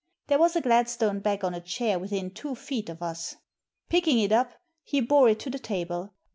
There was a Gladstone bag on a chair within two feet of us. Picking it up, he bore it to the table.